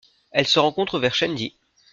Elle se rencontre vers Chendi.